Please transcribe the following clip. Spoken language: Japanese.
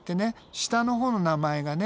下のほうの名前がね